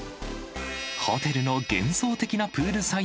ホテルの幻想的なプールサイ